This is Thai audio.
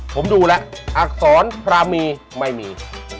ผมดูแล้วอักษรพรามีไม่มี